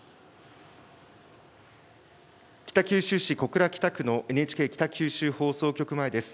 北九州市小倉北区のＮＨＫ北九州放送局前です。